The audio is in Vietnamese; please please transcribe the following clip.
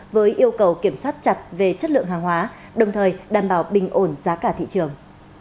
với yêu cầu kiểm soát chặt về chất lượng hàng hóa đồng thời đảm bảo bình ổn giá cả thị trường